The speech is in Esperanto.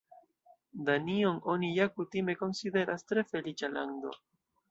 Danion oni ja kutime konsideras tre feliĉa lando.